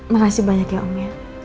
makasih banyak ya om ya